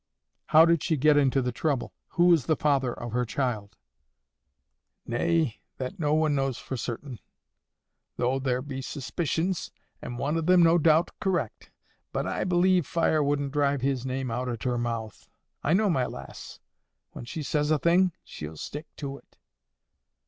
"How did she get into the trouble? Who is the father of her child?" "Nay, that no one knows for certain; though there be suspicions, and one of them, no doubt, correct. But, I believe, fire wouldn't drive his name out at her mouth. I know my lass. When she says a thing, she'll stick to it."